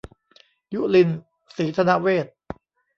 ยุลิน ศรีธนะเวทย์